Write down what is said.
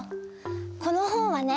この本はね